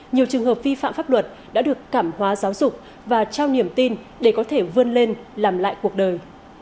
nhiều trường hợp vi phạm pháp luật đã được cảm hóa giáo dục và trao niềm tin để có thể vươn lên làm lại cuộc đời